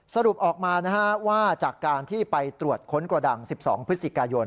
สรุปออกมาว่าจากการที่ไปตรวจค้นกระดัง๑๒พฤศจิกายน